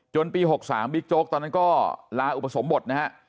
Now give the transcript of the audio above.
จนปี๖๓บิ๊กโจ๊กตอนนั้นก็ลาอุปสรมบท